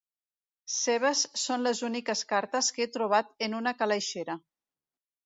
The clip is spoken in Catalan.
Seves són les úniques cartes que he trobat en una calaixera.